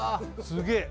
すげえ